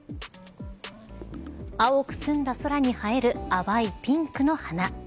青く澄んだ空に映える淡いピンクの花。